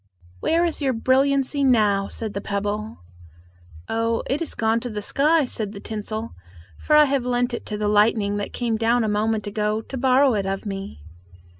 "Where is your brilliancy now?" said the pebble. "Oh, it is gone to the skies," said the tinsel, "for I have lent it to the lightning that came down a moment ago to borrow it of me."